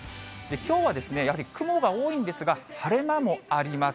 きょうは、やはり雲が多いんですが、晴れ間もあります。